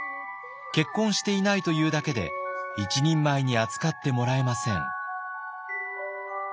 結婚していないというだけで一人前に扱ってもらえません。